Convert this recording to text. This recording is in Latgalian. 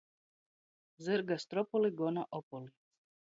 Zyrga stropoli gona opoli.